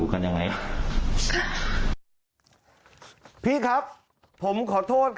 อาทิตย์๓อาทิตย์